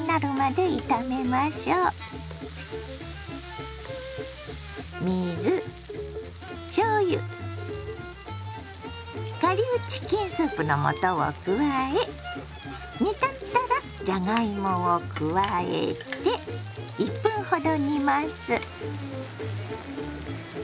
水しょうゆ顆粒チキンスープの素を加え煮立ったらじゃがいもを加えて１分ほど煮ます。